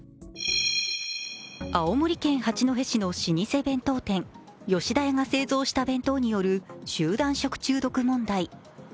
青森県八戸市の老舗弁当店・吉田屋が製造した弁当による集団食中毒問題。